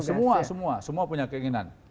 semua semua semua punya keinginan